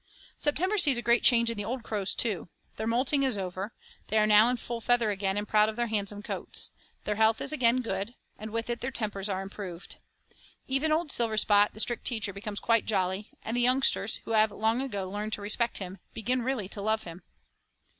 September sees a great change in the old crows, too, Their moulting is over. They are now in full feather again and proud of their handsome coats. Their health is again good, and with it their tempers are improved. Even old Silverspot, the strict teacher, becomes quite jolly, and the youngsters, who have long ago learned to respect him, begin really to love him.